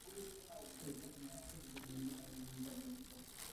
তবে প্রথম টেস্টের প্রথম দিনের চিত্রনাট্যই যেন অনুসরণ করল সিরিজের তৃতীয় ম্যাচ।